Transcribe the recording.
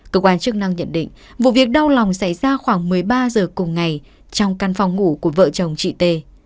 cơ quan chức năng nhận định vụ việc đau lòng xảy ra khoảng một mươi ba h cùng ngày trong căn phòng ngủ của vợ chồng chị t